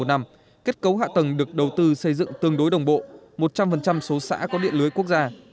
một năm kết cấu hạ tầng được đầu tư xây dựng tương đối đồng bộ một trăm linh số xã có điện lưới quốc gia